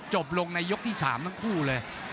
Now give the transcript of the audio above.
จบลงในยกที่๓ทั้งคู่เลย